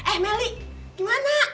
eh meli gimana